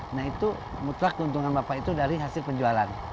nah itu mutlak keuntungan bapak itu dari hasil penjualan